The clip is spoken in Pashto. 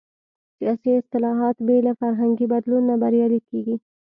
سیاسي اصلاحات بې له فرهنګي بدلون نه بریالي کېږي.